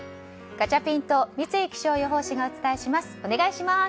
ガチャピンと三井気象予報士がお伝えします、お願いします。